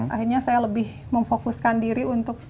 akhirnya saya lebih memfokuskan diri untuk